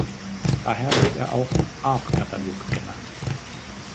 Daher wird er auch Arp-Katalog genannt.